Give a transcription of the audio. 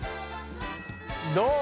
どう？